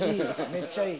めっちゃいい。